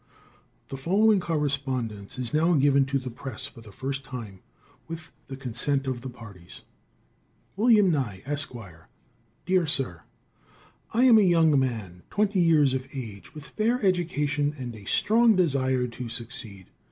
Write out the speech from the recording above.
The following correspondence is now given to the press for the first time, with the consent of the parties: Wm. Nye, Esq. Dear Sir I am a young man, 20 years of age, with fair education and a strong desire to succeed.